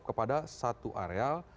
kepada satu areal